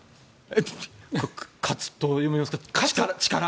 えっ、勝つと読みますけど力。